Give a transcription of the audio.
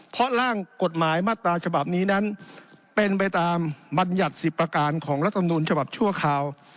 เพราะร่างกฎหมายมาตราฉบับนี้นั้นเป็นไปตามบรรยัติ๑๐ประการของรัฐมนุนฉบับชั่วคราว